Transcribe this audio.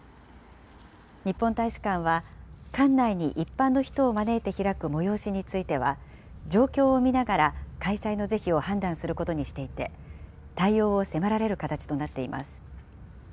日本大使館は館内に一般の人を招いて開く催しについては、状況を見ながら開催の是非を判断することにしていて、対応を迫られる形となっています。